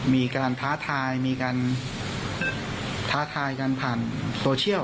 มีการท้าทายมีการท้าทายกันผ่านโซเชียล